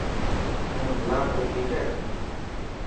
مون هلان پيو ٺيڪ هي.